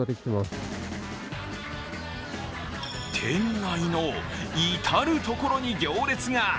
店内の至る所に行列が。